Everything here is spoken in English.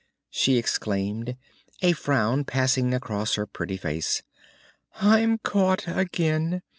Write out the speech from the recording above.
she exclaimed, a frown passing across her pretty face, "I'm caught again.